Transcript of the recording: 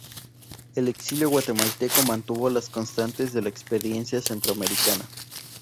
El exilio guatemalteco mantuvo las constantes de la experiencia centroamericana.